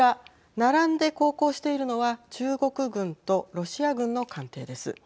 並んで航行しているのは中国軍とロシア軍の艦艇です。